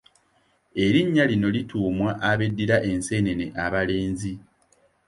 Erinnya lino lituumwa abeddira enseenene abalenzi.